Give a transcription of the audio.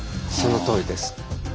そのとおりです。